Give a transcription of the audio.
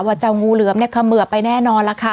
ว่าเจางูเหลือมเนี่ยเข้าเหมือไปแน่นอนละคะ